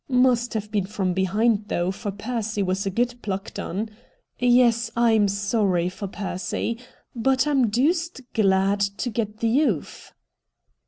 Must have been from behind though, for Percy was a good plucked 'un. Yes, I'm sorry for Percy, but I'm deuced glad to get the oof.'